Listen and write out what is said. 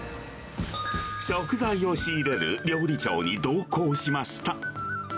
食材を仕入れる料理長に同行しました。